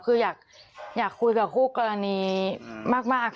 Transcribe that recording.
คืออยากคุยกับคู่กรณีมาก